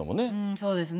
そうですね。